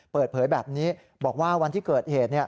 เปิดเผยแบบนี้บอกว่าวันที่เกิดเหตุ